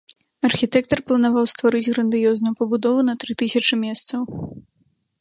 Архітэктар планаваў стварыць грандыёзную пабудову на тры тысячы месцаў.